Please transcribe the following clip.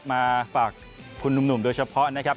มาฝากคุณหนุ่มโดยเฉพาะนะครับ